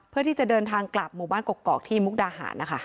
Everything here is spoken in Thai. เพื่อที่จะเดินทางกลับหมู่บ้านกกอกที่มุกดาหารนะคะ